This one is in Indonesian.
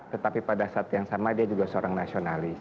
tetapi pada saat yang sama dia juga seorang nasionalis